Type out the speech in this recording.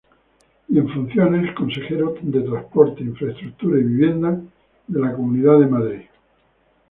Y en funciones, consejero Transportes, Infraestructuras y Vivienda de la Comunidad de Madrid.